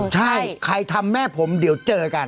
ใช่ใครทำแม่ผมเดี๋ยวเจอกัน